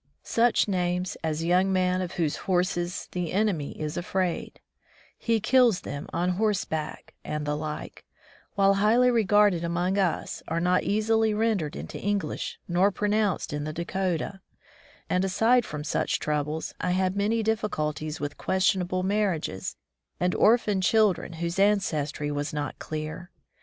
Such names as ^' Young Man of whose Horses the Enemy is Afraid", "He Kills them on Horseback", and the like, while highly regarded among us, are not easUy rendered into English nor pronounced in the Dakota, and aside from such troubles, I had many difficulties with questionable marriages and orphaned children whose ancestry was not clear.